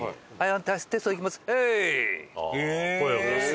声を出す？